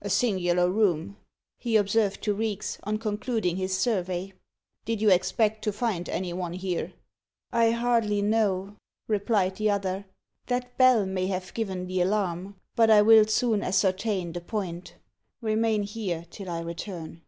"A singular room," he observed to Reeks, on concluding his survey. "Did you expect to find any one here?" "I hardly know," replied the other. "That bell may have given the alarm. But I will soon ascertain the point. Remain here till I return."